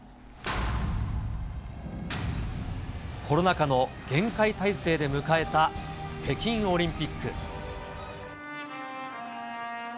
コロナ禍の厳戒態勢で迎えた北京オリンピック。